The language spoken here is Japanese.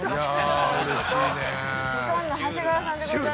シソンヌ長谷川さんでございます。